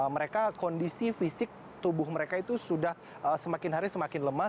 mereka kondisi fisik tubuh mereka itu sudah semakin hari semakin lemah